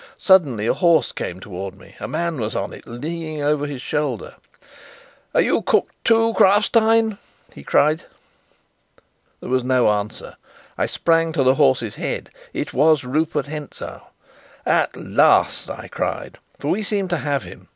Suddenly a horse came towards me. A man was on it, leaning over his shoulder. "Are you cooked too, Krafstein?" he cried. There was no answer. I sprang to the horse's head. It was Rupert Hentzau. "At last!" I cried. For we seemed to have him.